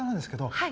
はい。